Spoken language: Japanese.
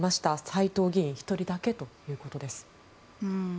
斎藤議員１人だけということです。